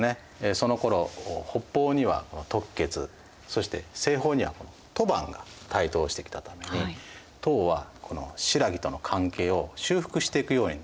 そのころ北方には突厥そして西方には吐蕃が台頭してきたために唐はこの新羅との関係を修復していくようになっていきます。